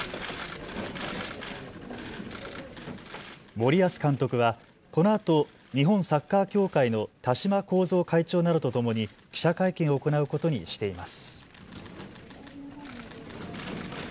森保監督はこのあと日本サッカー協会の田嶋幸三会長などとともに記者会見を行うことにしています。